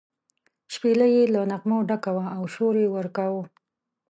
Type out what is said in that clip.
شپېلۍ یې له نغمو ډکه وه او شور یې ورکاوه.